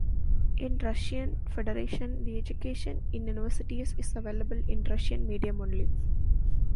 In Russian Federation the education in universities is available in Russian medium only.